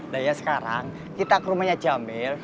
nah ya sekarang kita ke rumahnya jamil